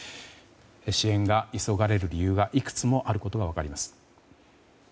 支援が急がれる理由がいくつもあることが分かります。